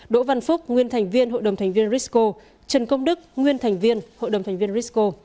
đỗ văn phúc nguyên thành viên hội đồng thành viên risco trần công đức nguyên thành viên hội đồng thành viên risco